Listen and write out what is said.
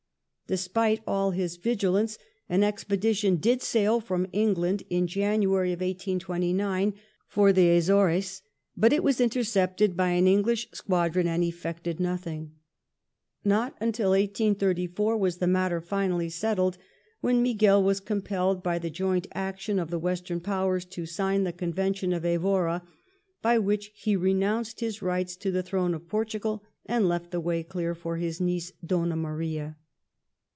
Despite all his vigilance, an expedition did sail from England in January, 1829, for the Azores, but it was intercepted by an English squadron and effected nothing. Not until 1834 was the matter finally settled, when Miguel was compelled, by the joint action of the Western Powers, to sign the Convention of Evora, by which he renounced his rights to the V Throne of Portugal, and left the way clear for his niece Donna ^ Maria.